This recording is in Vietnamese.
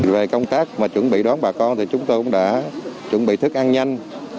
về công tác mà chuẩn bị đón bà con thì chúng tôi cũng đã chuẩn bị thức ăn nhanh